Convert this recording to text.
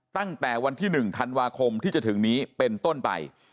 ตั้งแต่วันที่๑ธันวาคมที่จะถึงนี้เป็นต้นไป